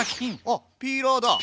あっピーラーだ！